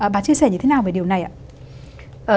bà chia sẻ như thế nào về điều này ạ